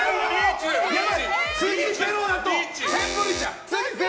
次ゼロだとセンブリ茶。